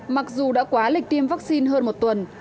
mặc dù đã quá lịch tiêm vaccine hơn một tuần